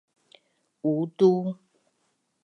uu tu